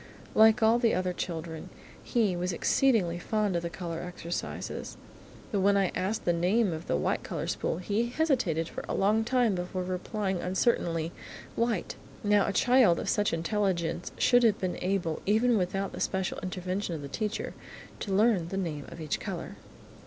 Like all the other children, he was exceedingly fond of the colour exercises. But when I asked the name of the white colour spool, he hesitated for a long time before replying uncertainly "white." Now a child of such intelligence should have been able, even without the special intervention of the teacher, to learn the name of each colour.